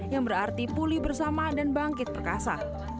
yang berarti pulih bersama dan bangkit perkasa